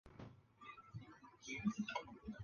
当季惠家康随成都队在艰苦的条件下冲超成功。